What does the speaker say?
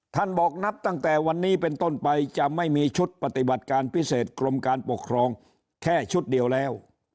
บอกนับตั้งแต่วันนี้เป็นต้นไปจะไม่มีชุดปฏิบัติการพิเศษกรมการปกครองแค่ชุดเดียวแล้ว